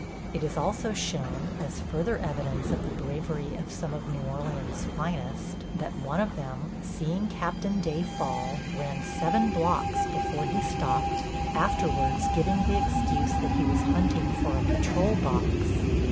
It is also shown, as further evidence of the bravery of some of New Orleans' "finest," that one of them, seeing Capt. Day fall, ran seven blocks before he stopped, afterwards giving the excuse that he was hunting for a patrol box.